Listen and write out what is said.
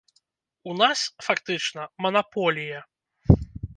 У нас, фактычна, манаполія.